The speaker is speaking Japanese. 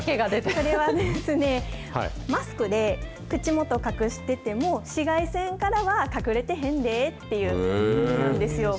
これはですね、マスクで口元隠してても、紫外線からは隠れてへんでっていうことなんですよ。